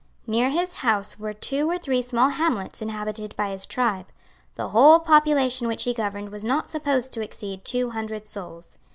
Near his house were two or three small hamlets inhabited by his tribe. The whole population which he governed was not supposed to exceed two hundred souls.